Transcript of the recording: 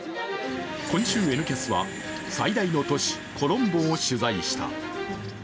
今週「Ｎキャス」は最大の都市コロンボを取材した。